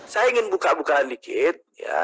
saya ingin buka bukaan sedikit